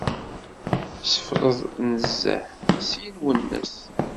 Sefled nezzeh! Syin wennet.